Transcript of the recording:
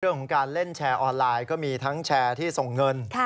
เรื่องของการเล่นแชร์ออนไลน์ก็มีทั้งแชร์ที่ส่งเงิน